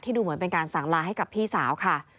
ดูเหมือนเป็นการสั่งลาให้กับพี่สาวค่ะ